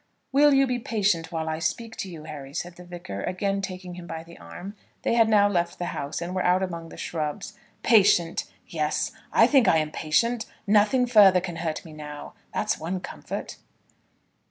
"Will you be patient while I speak to you, Harry?" said the Vicar, again taking him by the arm. They had now left the house, and were out alone among the shrubs. "Patient! yes; I think I am patient. Nothing further can hurt me now; that's one comfort."